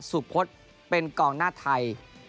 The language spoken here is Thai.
สุพศเป็นกองหน้าไทย